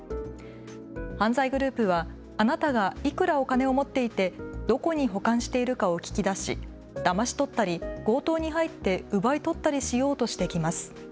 犯罪グループはあなたがいくらお金を持っていてどこに保管しているかを聞き出しだまし取ったり強盗に入って奪い取ったりしようとしてきます。